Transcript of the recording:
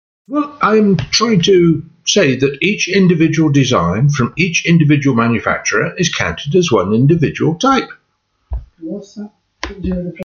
Each individual design from each individual manufacturer is counted as one individual type.